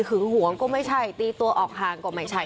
หวงก็ไม่ใช่ตีตัวออกห่างก็ไม่ใช่